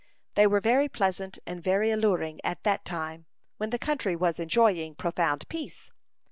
They were very pleasant and very alluring at that time, when the country was enjoying profound peace.